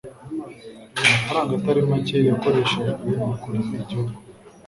Amafaranga atari make yakoreshejwe mu kurinda igihugu.